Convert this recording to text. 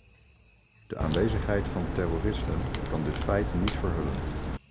De aanwezigheid van terroristen kan dit feit niet verhullen.